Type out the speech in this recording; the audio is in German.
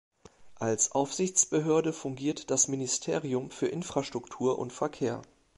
Als Aufsichtsbehörde fungiert das Ministerium für Infrastruktur und Verkehr.